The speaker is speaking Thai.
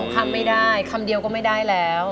คำไม่ได้คำเดียวก็ไม่ได้แล้ว